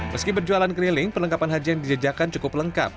meski berjualan keliling perlengkapan haji yang dijajakan cukup lengkap